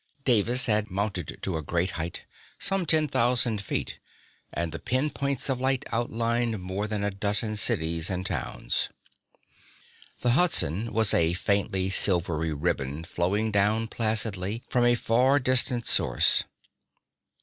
Davis had mounted to a great height, some ten thousand feet, and the pin points of light outlined more than a dozen cities and towns. The Hudson was a faintly silvery ribbon flowing down placidly from a far distant source.